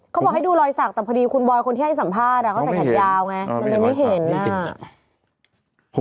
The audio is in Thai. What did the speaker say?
เขาบอกให้ดูรอยสักแต่พอดีคุณบอยคนที่ให้สัมภาษณ์เขาใส่แขนยาวไงมันเลยไม่เห็นอ่ะ